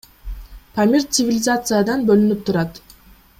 Памир цивилизациядан бөлүнүп турат.